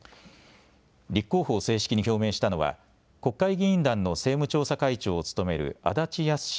立候補を正式に表明したのは国会議員団の政務調査会長を務める足立康史